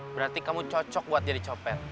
berarti kamu cocok buat jadi copet